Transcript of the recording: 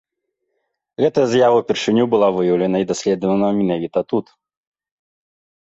Гэтая з'ява ўпершыню была выяўлена і даследавана менавіта тут.